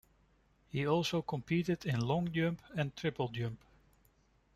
He also competed in long jump and triple jump.